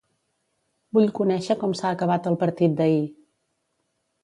Vull conèixer com s'ha acabat el partit d'ahir.